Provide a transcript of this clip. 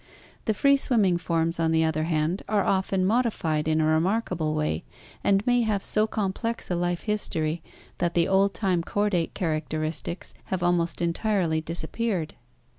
The free swimming forms, on the other hand, are often modified in a remarkable way and may have so complex a life history that the old time chordate characteristics have almost entirely disappeared.